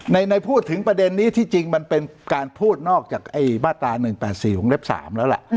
ในในพูดถึงประเด็นนี้ที่จริงมันเป็นการพูดนอกจากไอ้บ้าตา๑๘๔๖๓แล้วล่ะ